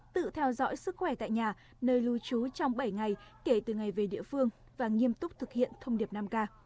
tự theo dõi sức khỏe tại nhà nơi lưu trú trong bảy ngày kể từ ngày về địa phương và nghiêm túc thực hiện thông điệp năm k